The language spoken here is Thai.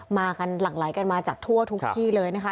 มากันหลั่งไหลกันมาจากทั่วทุกที่เลยนะคะ